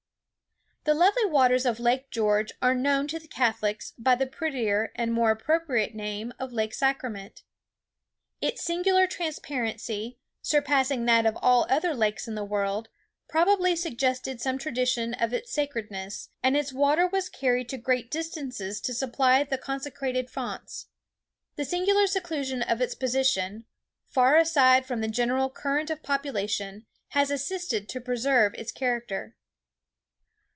The lovely waters of Lake George are known to the Catholics by the prettier and more appropriate name of Lake Sacrament. Its singular transparency, surpassing that of all other lakes in the world, probably suggested some tradition of its sacredness; and its water was carried to great distances to supply the consecrated fonts. The singular seclusion of its position, far aside from the general current of population, has assisted to preserve its character.